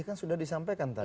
kan sudah disampaikan tadi